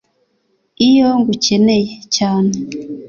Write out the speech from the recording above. iyo ngukeneye cyane